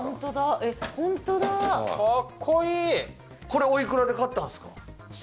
これおいくらで買ったんすか？